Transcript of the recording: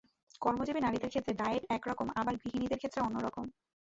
কর্মজীবী নারীদের ক্ষেত্রে ডায়েট এক রকম আবার গৃহিণীদের ক্ষেত্রে অন্য রকম।